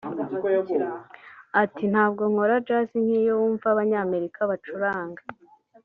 Ati “Ntabwo nkora jazz nk’iyo wumva Abanyamerika bacuranga